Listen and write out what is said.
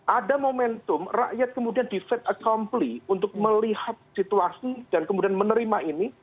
ada momentum rakyat kemudian di fat accomply untuk melihat situasi dan kemudian menerima ini